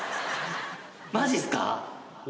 マジっすか？